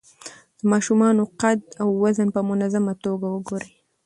د ماشومانو قد او وزن په منظمه توګه وګورئ.